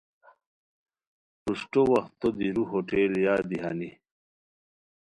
پروشٹو وختو دیرو ہوٹل یادی ہانی